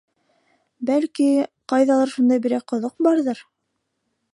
Бәлки, ҡайҙалыр шундай берәй ҡоҙоҡ барҙыр.